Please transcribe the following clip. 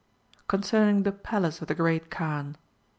Concerning the Palace of the Great Kaan.